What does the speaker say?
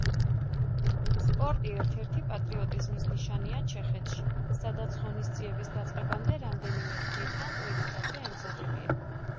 სპორტი ერთ-ერთ პატრიოტიზმის ნიშანია ჩეხეთში, სადაც ღონისძიების დაწყებამდე რამდენიმე დღით ან კვირით ადრე ემზადებიან.